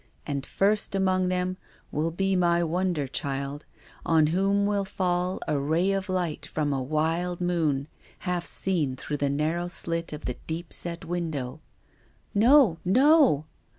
And first among them will be my wonder child, on whom will fall a ray of light from a wild moon, half seen through the narrow slit of the deep set win dow." " No, no